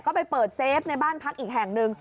ก็ไปเปิดเซฟในบ้านพักอีกแห่งหนึ่ง